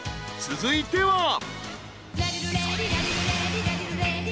［続いては］